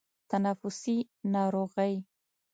تنفسي ناروغۍ